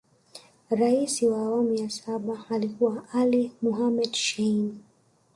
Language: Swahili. Rais wa awamu ya saba alikuwa Ali Mohamed Shein